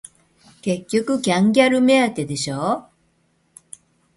結局キャンギャル目当てでしょ